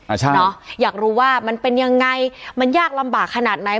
เนอะอยากรู้ว่ามันเป็นยังไงมันยากลำบากขนาดไหน